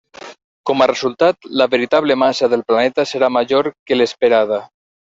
Com a resultat, La veritable massa del planeta serà major que l'esperada.